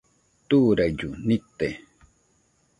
Turaillu nite